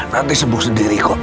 nanti sembuh sendiri kok